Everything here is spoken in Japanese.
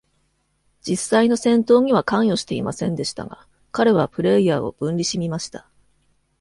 実際の戦闘には関与していませんでしたが、彼はプレイヤーを分離しみました。